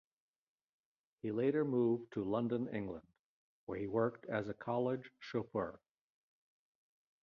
He later moved to London, England, where he worked as a college chauffeur.